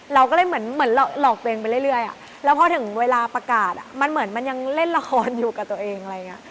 เราก็เลยเหมือนหลอกตัวเองไปเรื่อยแล้วพอถึงเวลาประกาศมันเหมือนมันยังเล่นละครอยู่กับตัวเองอะไรอย่างนี้